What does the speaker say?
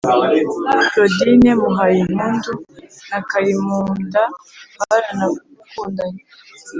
claudine muhayimpundu na karimumda baranakundanye